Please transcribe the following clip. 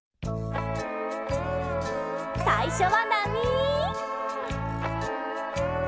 さいしょはなみ！